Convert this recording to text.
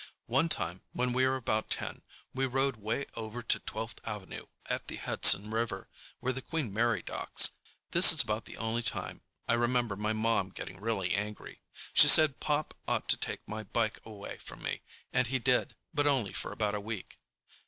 One time when we were about ten, we rode way over to Twelfth Avenue at the Hudson River, where the Queen Mary docks. This is about the only time I remember my mom getting really angry. She said Pop ought to take my bike away from me, and he did, but only for about a week.